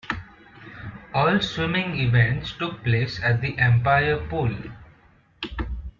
All swimming events took place at the Empire Pool.